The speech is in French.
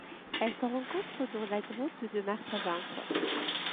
Elle se rencontre dans la grotte de Mars à Vence.